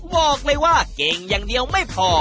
บอกเลยว่าเก่งอย่างเดียวไม่พอ